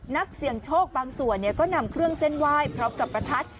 นักเสี่ยงโชคบางส่วนก็นำเครื่องเส้นไหว้พร้อมกับประทัด